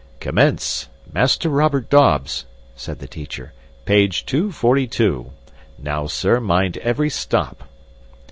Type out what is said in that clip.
"Commence! Master Robert Dobbs," said the teacher, "page 242. Now, sir, mind every stop."